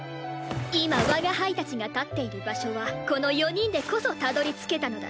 今我が輩たちが立っている場所はこの４人でこそたどりつけたのだ。